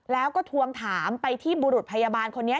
แล้วก็ทวงถามไปที่บุรุษพยาบาลคนนี้